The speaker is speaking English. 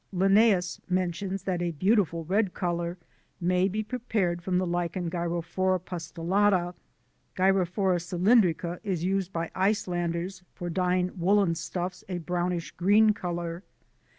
Linnaeus mentions that a beautiful red colour may be prepared from the Lichen Gyrophora pustulata. G. Cylindrica is used by Icelanders for dyeing woollen stuffs a brownish green colour.